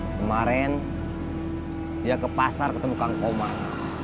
kemarin dia ke pasar ketemu kang oman